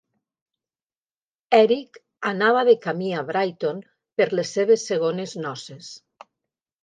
Eric anava de camí a Brighton per les seves segones noces.